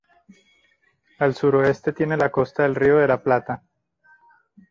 Al suroeste tiene la costa del Río de la Plata.